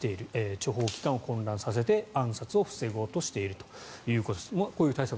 諜報機関を混乱させて暗殺を防ごうとしているということです。